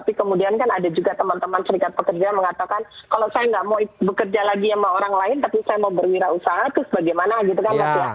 tapi kemudian kan ada juga teman teman serikat pekerja mengatakan kalau saya nggak mau bekerja lagi sama orang lain tapi saya mau berwirausaha terus bagaimana gitu kan